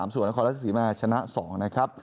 ส่วนรัฐศาสตรีมาชนะ๒นะครับ